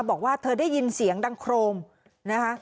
บอกว่าเธอได้ยินเสียงดังโครมนะคะ